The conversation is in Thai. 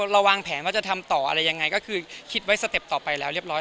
วางแผนว่าจะทำต่ออะไรยังไงก็คือคิดไว้สเต็ปต่อไปแล้วเรียบร้อย